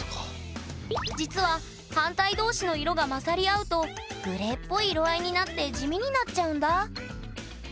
実は反対同士の色が混ざり合うとグレーっぽい色合いになって地味になっちゃうんだ。